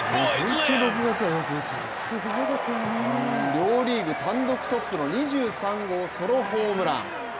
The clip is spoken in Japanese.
両リーグ単独トップの２３号ソロホームラン。